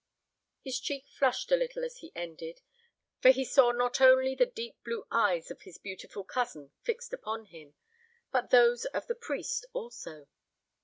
His cheek flushed a little as he ended, for he saw not only the deep blue eyes of his beautiful cousin fixed upon him, but those of the priest also.